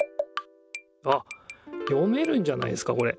あっ読めるんじゃないですかこれ。